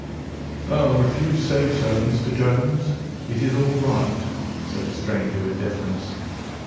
"Oh, if you say so, Mr. Jones, it is all right," said the stranger with deference.